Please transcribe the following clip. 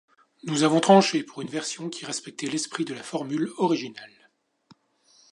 Nous avons tranché pour une version qui respectait l'esprit de la formule originale.